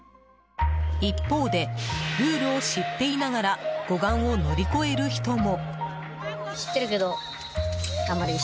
一方で、ルールを知っていながら護岸を乗り越える人も。